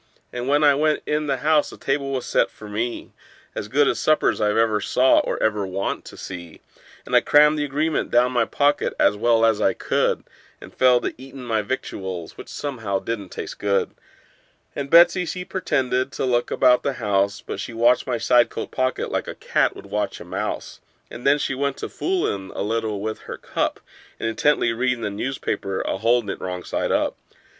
And when I went in the house the table was set for me— As good a supper's I ever saw, or ever want to see; And I crammed the agreement down my pocket as well as I could, And fell to eatin' my victuals, which somehow didn't taste good. And Betsey, she pretended to look about the house, But she watched my side coat pocket like a cat would watch a mouse: And then she went to foolin' a little with her cup, And intently readin' a newspaper, a holdin' it wrong side up.